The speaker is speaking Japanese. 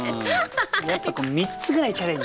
やっぱこう３つぐらいチャレンジ。